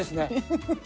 フフフ。